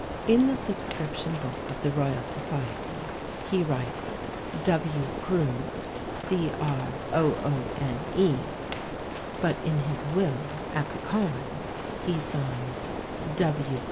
In the subscription book of the Royal Society he writes W. Croone, but in his will at the Commons he signs _W.